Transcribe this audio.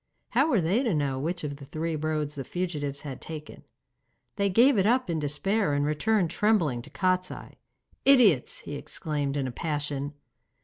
How were they to know which of the three roads the fugitives had taken? They gave it up in despair and returned in trembling to Kostiei. 'Idiots!' he exclaimed, in a passion.